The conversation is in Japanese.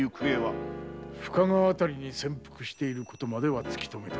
深川あたりに潜伏していることまでは突き止めた。